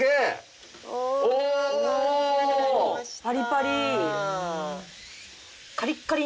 パリパリ。